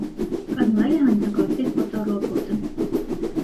Կազմվել է հանցագործի ֆոտոռոբոտը։